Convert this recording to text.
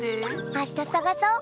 あしたさがそう。